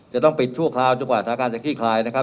จะต้องปิดชั่วคราวจนกว่าสถานการณ์จะขี้คลายนะครับ